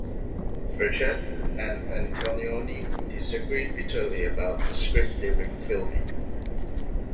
Frechette and Antonioni disagreed bitterly about the script during filming.